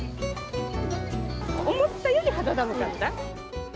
思ったより肌寒かった。